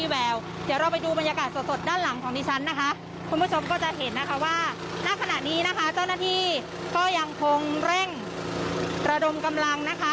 และเจ้าหน้าที่ก็ยังคงเร่งระดมกำลังนะคะ